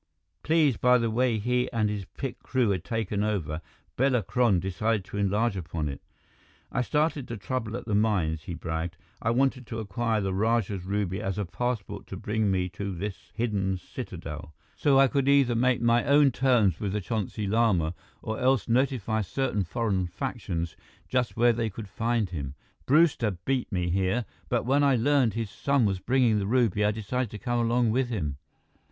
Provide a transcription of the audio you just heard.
Pleased by the way he and his picked crew had taken over, Bela Kron decided to enlarge upon it. "I started the trouble at the mines," he bragged. "I wanted to acquire the Rajah's ruby as a passport to bring me to this hidden citadel, so I could either make my own terms with the Chonsi Lama, or else notify certain foreign factions just where they could find him. Brewster beat me here, but when I learned his son was bringing the ruby, I decided to come along with him."